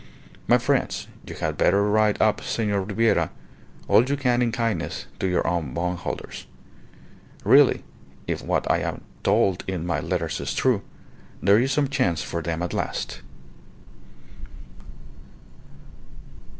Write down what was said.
My friends, you had better write up Senor Ribiera all you can in kindness to your own bondholders. Really, if what I am told in my letters is true, there is some chance for them at last."